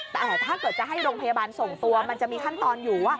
แต่ถ้าเกิดจะให้โรงพยาบาลส่งตัวมันจะมีขั้นตอนอยู่ว่า